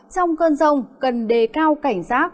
trong cơn rông cần đề cao cảnh rác